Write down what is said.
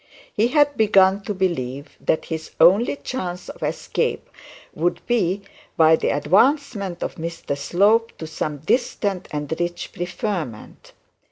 He had begun to believe that his only chance of escape would be by the advancement of Mr Slope to some distant and rich preferment.